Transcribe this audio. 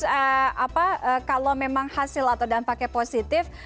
terus kalau memang hasil atau dampaknya positif